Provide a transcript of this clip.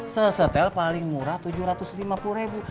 sesetel paling murah rp tujuh ratus lima puluh ribu